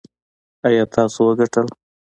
ایا تاسو وګټل؟